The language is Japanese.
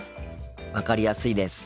分かりやすいです。